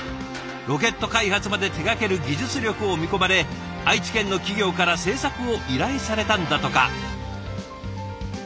ロケット開発まで手がける技術力を見込まれ愛知県の企業から制作を依頼されたんだとか。